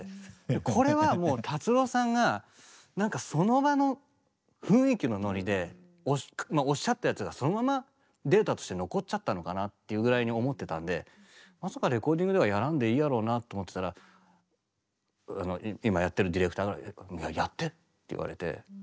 これはもう達郎さんがなんかその場の雰囲気のノリでおっしゃったやつがそのままデータとして残っちゃったのかなというぐらいに思ってたんでまさかレコーディングではやらんでいいやろうなと思ってたら今やってるディレクターが「やって」って言われて。